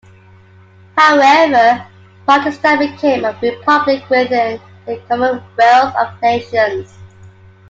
However, Pakistan became a republic within the Commonwealth of Nations.